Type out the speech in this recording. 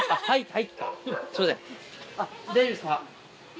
はい。